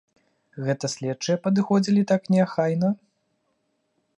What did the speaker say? Гэта следчыя падыходзілі так неахайна?